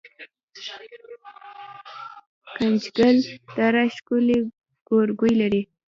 ګنجګل دره ښکلې ګورګوي لري